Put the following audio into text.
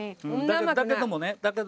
だけどもね。